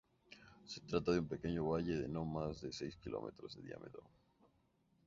Se trata de un pequeño valle de no más de seis kilómetros de diámetro.